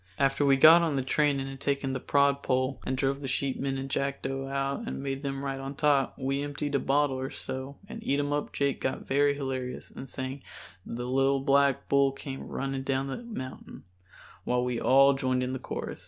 After we got on the train and had taken the prod pole, and drove the sheepmen and Jackdo out and made them ride on top, we emptied a bottle or so and Eatumup Jake got very hilarious and sang "The Little Black Bull Came Running Down the Mountain," while we all joined in the chorus.